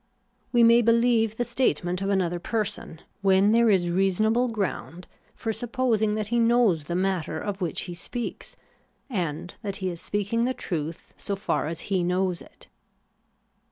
We may believe the statement of another person, when there is reasonable ground for supposing that he THE ETHICS OF BELIEF. 211 knows the matter of which he speaks, and that he is speaking the truth so far as he knows it.